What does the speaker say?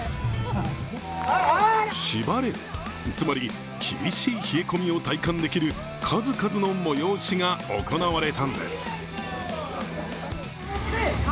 しばれる、つまり厳しい冷え込みを体感できる数々の催しが行われたんです。